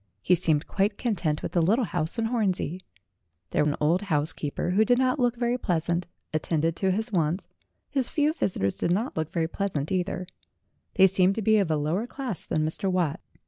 He seemed quite content with the little house in Hornsey. There an old housekeeper, who did not look very pleasant, attended to his wants; his few visitors did not look very pleasant either; they seemed to be of a lower class than Mr. Watt.